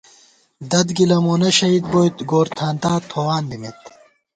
دَد گِلہ مونہ شہید بوئیت، گورتھانتا تھووان دِمېت